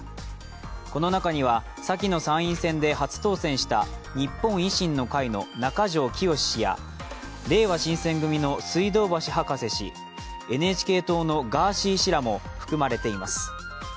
この中には、先の参院選で初当選した日本維新の会の中条きよし氏やれいわ新選組の水道橋博士氏、ＮＨＫ党のガーシー氏らも含まれています。